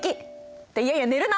っていやいや寝るな！